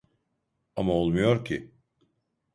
Ama olmuyor ki